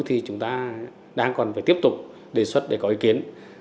thì chúng ta đang còn phải tiếp tục đề xuất để có ý kiến